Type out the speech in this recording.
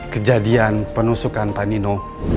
kejadian penusukan panino